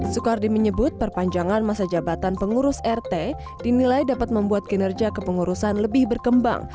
soekardi menyebut perpanjangan masa jabatan pengurus rt dinilai dapat membuat kinerja kepengurusan lebih berkembang